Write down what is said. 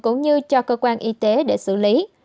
cũng như cho cơ quan y tế để xử lý